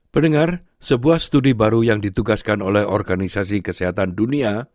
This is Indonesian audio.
pendengar sebuah studi baru yang ditugaskan oleh organisasi kesehatan dunia